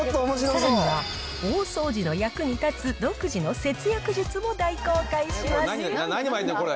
さらには大掃除の役に立つ独自の節約術も大公開します。